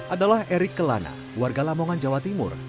adalah erik kelana warga lamongan jawa timur